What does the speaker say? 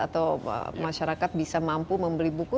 atau masyarakat bisa mampu membeli buku